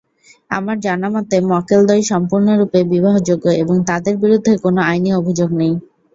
আমার জানামতে মক্কেলদ্বয় সম্পূর্ণরূপে বিবাহযোগ্য এবং তাদের বিরুদ্ধে কোনো আইনি অভিযোগ নেই।